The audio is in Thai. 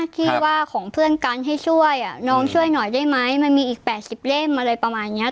ที่ว่าของเพื่อนกันให้ช่วยน้องช่วยหน่อยได้ไหมมันมีอีก๘๐เล่มอะไรประมาณนี้